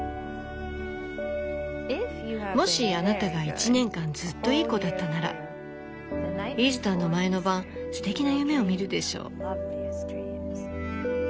「もしあなたが１年間ずっといい子だったならイースターの前の晩ステキな夢をみるでしょう」。